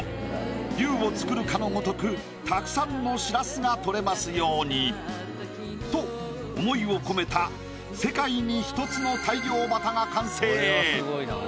「龍を作るかのごとくたくさんのしらすが取れますように」。と思いを込めた世界に１つの大漁旗が完成。